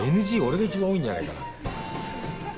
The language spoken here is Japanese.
ＮＧ俺が一番多いんじゃないかな。